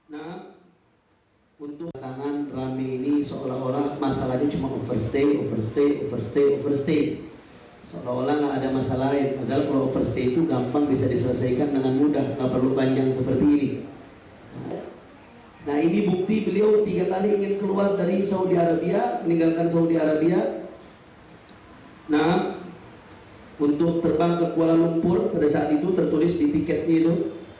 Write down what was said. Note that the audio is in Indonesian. nah untuk terbang ke kuala lumpur pada saat itu tertulis di tiketnya itu